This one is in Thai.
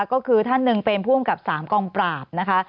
ก็คือท่านหนึ่งเป็นผู้อำกับ๓กองปราบนะคะ